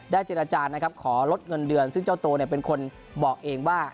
ได้เจนอาจารย์ขอลดเงินเดือนซึ่งเจ้าโตเป็นคนบอกเองว่า